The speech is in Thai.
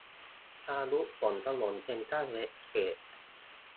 พายุฝนถล่ม เซ็นทรัลเวสเกต